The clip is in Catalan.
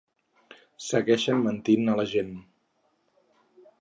Segueixen mentint a la gent.